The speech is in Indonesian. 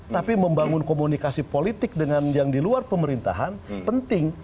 tapi membangun komunikasi politik dengan yang di luar pemerintahan penting